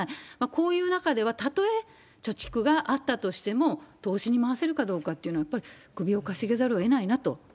こういう中では、たとえ貯蓄があったとしてもも、投資に回せるかどうかってのは、やっぱり首をかしげざるをえないなと。